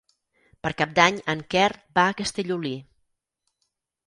Per Cap d'Any en Quer va a Castellolí.